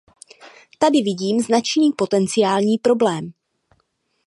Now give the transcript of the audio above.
Tady vidím značný potenciální problém.